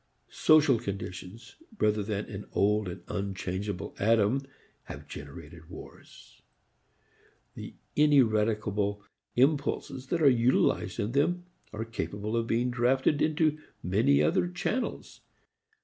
Social conditions rather than an old and unchangeable Adam have generated wars; the ineradicable impulses that are utilized in them are capable of being drafted into many other channels.